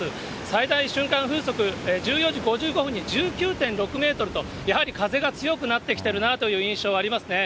最大瞬間風速、１４時５５分に１９．６メートルと、やはり風が強くなってきてるなという印象ありますね。